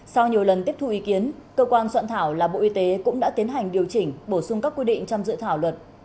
sau nhiều lần tiếp thu ý kiến cơ quan soạn thảo là bộ y tế cũng đã tiến hành điều chỉnh bổ sung các quy định trong dự thảo luật